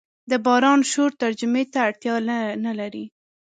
د باران شور ترجمې ته اړتیا نه لري.